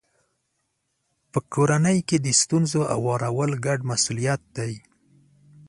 په کورنۍ کې د ستونزو هوارول ګډ مسولیت دی.